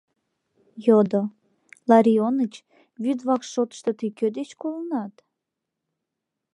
Йодо: — Ларионыч, вӱд вакш шотышто тый кӧ деч колынат?